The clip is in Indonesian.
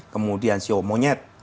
kemudian siu monyet